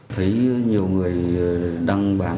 thấy nhiều người đăng bán